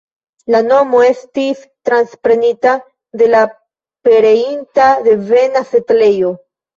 La nomo estis transprenita de la pereinta devena setlejo.